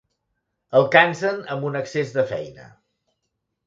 El cansen amb un excés de feina.